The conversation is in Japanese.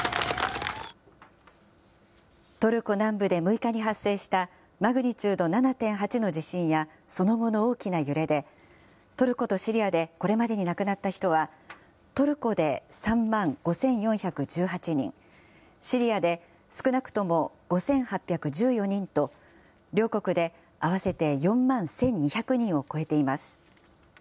トルコ南部で６日に発生したマグニチュード７．８の地震や、その後の大きな揺れで、トルコとシリアでこれまでに亡くなった人は、トルコで３万５４１８人、シリアで少なくとも５８１４人と、両国で合わせて４万１２００人を超えています。